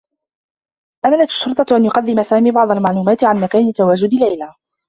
أملت الشّرطة أن يقدّم سامي بعض المعلومات عن مكان تواجد ليلى.